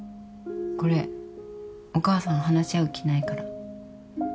これお母さん話し合う気ないから。